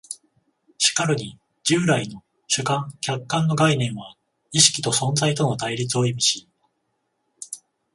しかるに従来の主観・客観の概念は意識と存在との対立を意味し、